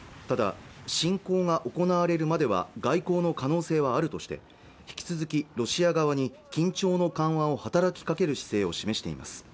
ただ侵攻が行われるまでは外交の可能性はあるとして引き続きロシア側に緊張の緩和を働きかける姿勢を示しています